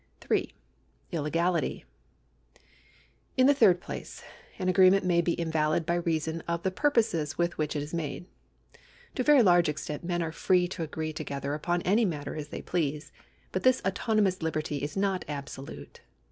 3. Illegality. In the third place an agreement may be invalid by reason of the purposes with which it is made. To a very large extent men are free to agree together upon any matter as they please ; but this autonomous liberty is not absolute.